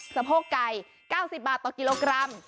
สะโพกไก่๙๐บาทต่อกิโลกรัม